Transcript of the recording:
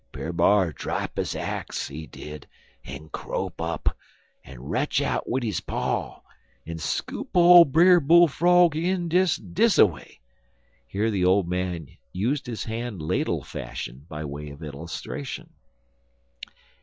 Brer B'ar drap his axe, he did, en crope up, en retch out wid his paw, en scoop ole Brer Bull frog in des dis away." Here the old man used his hand ladle fashion, by way of illustration.